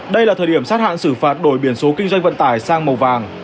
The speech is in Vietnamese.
đây là thời điểm sát hạn xử phạt đổi biển số kinh doanh vận tải sang màu vàng